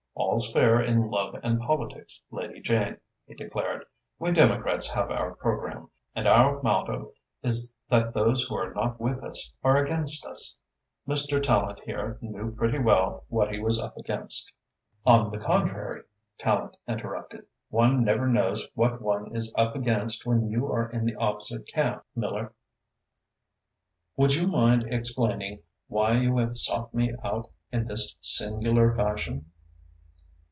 "All's fair in love and politics, Lady Jane," he declared. "We Democrats have our programme, and our motto is that those who are not with us are against us. Mr. Tallente here knew pretty well what he was up against." "On the contrary," Tallente interrupted, "one never knows what one is up against when you are in the opposite camp, Miller. Would you mind explaining why you have sought me out in this singular fashion?"